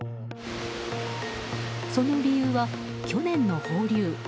その理由は、去年の放流。